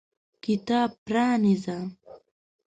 کتاب پرانیزه !